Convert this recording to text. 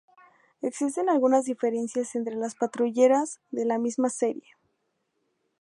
Existen algunas diferencias entre las patrulleras de la misma serie.